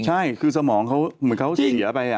ใช่คือสมองเขาเหมือนเขาเสียไป